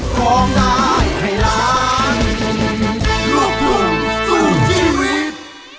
ขอบคุณครับ